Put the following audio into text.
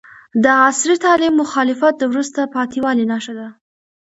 د عصري تعلیم مخالفت د وروسته پاتې والي نښه ده.